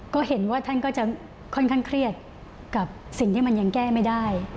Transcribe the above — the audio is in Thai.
ก็เห็นว่าท่านก็จะค่อนข้างเครียดกับสิ่งที่มันยังแก้ไม่ได้